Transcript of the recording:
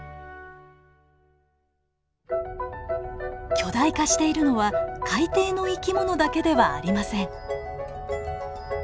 巨大化しているのは海底の生き物だけではありません。